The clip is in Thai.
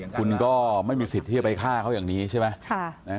คุณก็ไม่มีสิทธิ์ที่จะไปฆ่าเขาอย่างนี้ใช่ไหม